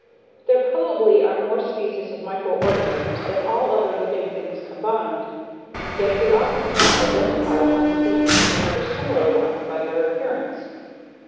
There probably are more species of microorganisms than all other living things combined, yet we often can't identify one species from another similar one by their appearance.